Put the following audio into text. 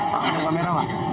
pak ada kamera pak